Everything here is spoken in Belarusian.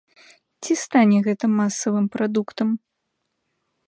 Ці стане гэта масавым прадуктам?